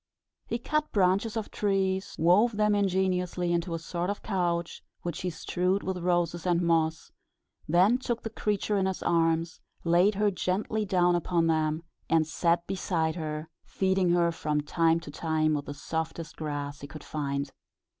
He cut branches of trees, wove them ingeniously into a sort of couch, which he strewed with roses and moss; then took the creature in his arms, laid her gently down upon them, and sat beside her, feeding her from time to time with the softest grass he could find.